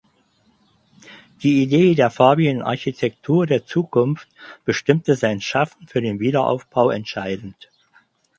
Die Idee der farbigen Architektur der Zukunft bestimmte sein Schaffen für den Wiederaufbau entscheidend.